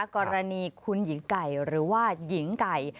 กรณีคุณหญิงไก่หรือว่าหญิงไก่